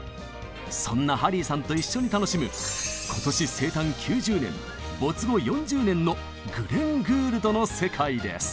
そんなハリーさんと一緒に楽しむ今年生誕９０年没後４０年のグレン・グールドの世界です！